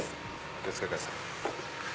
お気を付けください。